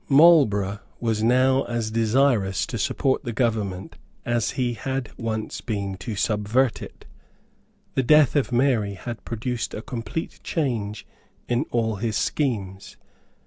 Marlborough was now as desirous to support the government as he had once been to subvert it. The death of Mary had produced a complete change in all his schemes.